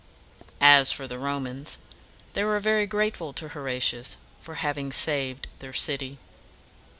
As for the Romans, they were very grateful to Horatius for having saved their city.